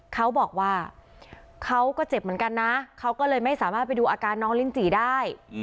เขาบอกว่าเขาก็เจ็บเหมือนกันนะเขาก็เลยไม่สามารถไปดูอาการน้องลิ้นจี่ได้